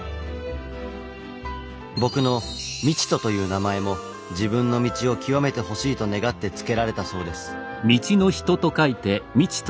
僕の「道人」という名前も「自分の道を究めてほしい」と願って付けられたそうです。